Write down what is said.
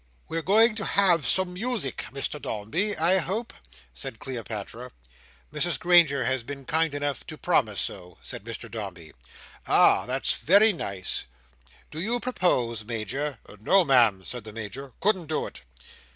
"We are going to have some music, Mr Dombey, I hope?" said Cleopatra. "Mrs Granger has been kind enough to promise so," said Mr Dombey. "Ah! That's very nice. Do you propose, Major?" "No, Ma'am," said the Major. "Couldn't do it."